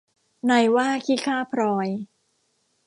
นายว่าขี้ข้าพลอย